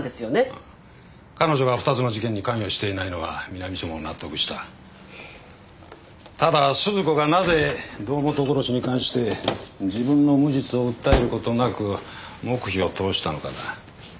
ああ彼女が２つの事件に関与していないのは南署も納得したただ鈴子がなぜ堂本殺しに関して自分の無実を訴えることなく黙秘を通したのかだ